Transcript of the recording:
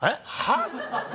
はっ！？